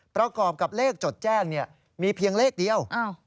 ประกอบกับเลขจดแจ้งมีเพียงเลขเดียว